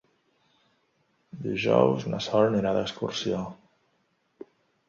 Dijous na Sol anirà d'excursió.